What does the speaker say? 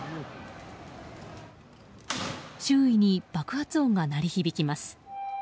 周囲に爆発音が鳴り響きます。